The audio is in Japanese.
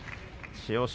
千代翔